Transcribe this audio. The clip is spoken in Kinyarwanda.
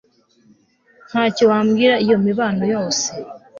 Ntacyo wabwira iyo mibano yose